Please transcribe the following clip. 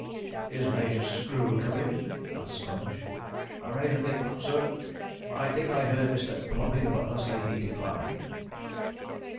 'Is Major Screw coming?' asked Sponge. 'I rayther think not, sir. I think I heard Mr. Plummey, the butler, say he declined.'